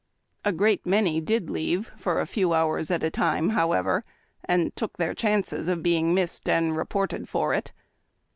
A great many did leave for a few hours at a time, liowever, and took their chances of being missed and reported for it.